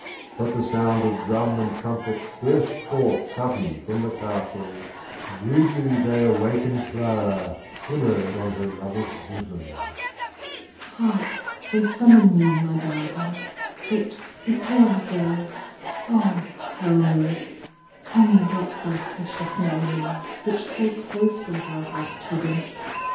But the sound of drum and trumpet Burst forth sudden from the castle. Rudely they awaken Clara, Pillowed on her lover's bosom. "Hark, they summon me, my darling. But before I go, oh tell me, Tell me what thy precious name is, Which so closely thou hast hidden."